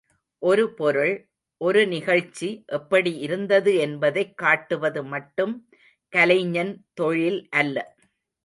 ஒரு பொருள், ஒரு நிகழ்ச்சி எப்படி இருந்தது என்பதைக் காட்டுவது மட்டும் கலைஞன் தொழில் அல்ல.